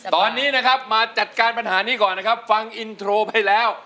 ตอนนี้นะครับมาจัดการปัญหานี้ก่อนนะครับฟังอินโทรไปแล้ว